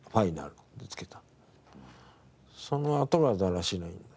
そのあとがだらしないんだ。